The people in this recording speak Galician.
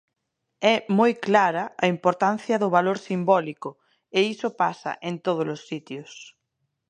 É moi clara a importancia do valor simbólico, e iso pasa en tódolos sitios.